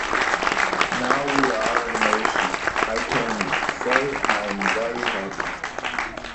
Now we are a nation...I can say I am very happy.